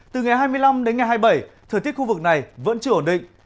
từ ngày hai mươi năm đến ngày hai mươi bảy thời tiết khu vực này vẫn chưa ổn định